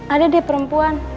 ada deh perempuan